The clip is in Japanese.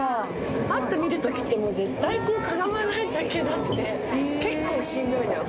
パッと見る時ってもう絶対かがまないといけなくて結構しんどいのよ